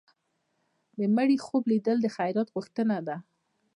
د مړي خوب لیدل د خیرات غوښتنه ده.